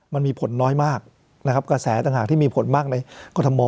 มันมีผลน้อยมากนะครับกระแสต่างที่มีผลมากในกรทม